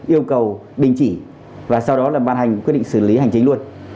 yêu cầu đình chỉ và sau đó là bàn hành quyết định xử lý hành trình luôn